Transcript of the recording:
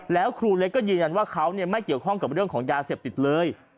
แล้วครูเล็กก็ยืนยันว่าเขาไม่เกี่ยวข้องกับเรื่องของยาเสพติดเลย